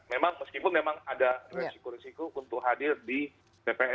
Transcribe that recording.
memang meskipun memang ada resiko resiko untuk hadir di dpr